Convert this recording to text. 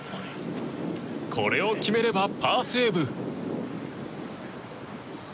これを決めれば、パーセーブ。